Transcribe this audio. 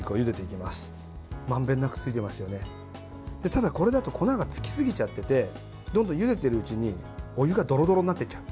ただ、これだと粉がつきすぎちゃっててどんどんゆでているうちにお湯がドロドロになっていっちゃう。